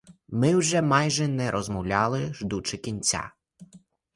Ми вже майже не розмовляли, ждучи кінця.